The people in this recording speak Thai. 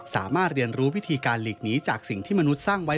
สามารถเรียนรู้วิธีการหลีกหนีจากสิ่งที่มนุษย์สร้างไว้